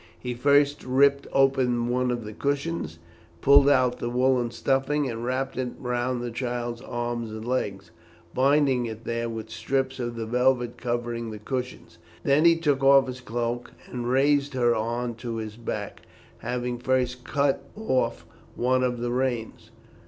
He first ripped open one of the cushions, pulled out the woollen stuffing, and wrapped it round the child's arms and legs, binding it there with strips of the velvet covering the cushions. Then he took off his cloak, and raised her on to his back, having first cut off one of the reins.